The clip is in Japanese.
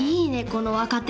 この若手。